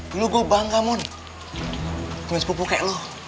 dulu gue bangga mon punya sepupu kayak lo